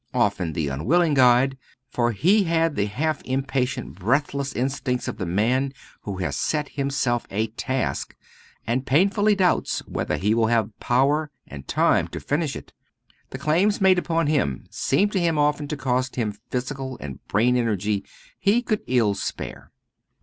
Often the unwilling guide; for he had the half impatient breathless instincts of the man who has set himself a task, and painfully doubts whether he will have power and time to finish it. The claims made upon him seemed to him often to cost him physical and brain energy he could ill spare.